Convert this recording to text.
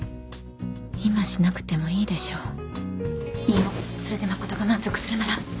今しなくてもいいでしょいいよ。それで誠が満足するなら。